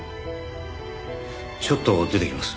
ちょっと出てきます。